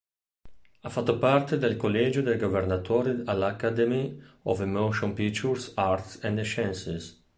Ha fatto parte del Collegio dei governatori all'Academy of Motion Picture Arts and Sciences.